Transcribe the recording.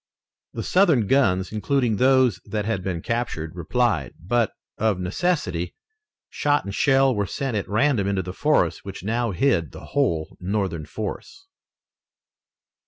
The Southern guns, including those that had been captured, replied, but, of necessity, shot and shell were sent at random into the forest which now hid the whole Northern force.